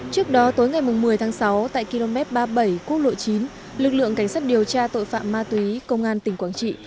trước đó tối ngày một mươi tháng sáu tại km ba mươi bảy quốc lộ chín lực lượng cảnh sát điều tra tội phạm ma túy công an tỉnh quảng trị